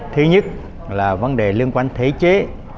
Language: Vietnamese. thứ nhất là vấn đề liên quan thể chế